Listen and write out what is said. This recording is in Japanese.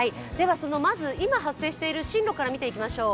まず、今発生している進路から見ていきましょう。